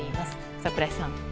櫻井さん。